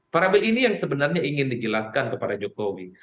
parabel ini yang sebenarnya ingin dijelaskan kepada jokowi